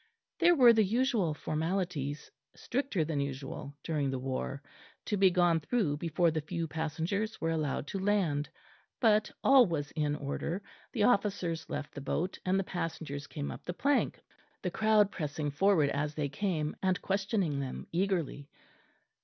There were the usual formalities, stricter than usual during war, to be gone through before the few passengers were allowed to land: but all was in order; the officers left the boat, and the passengers came up the plank, the crowd pressing forward as they came, and questioning them eagerly.